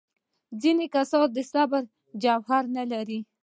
ځینې کسان د صبر جوهر نه لري.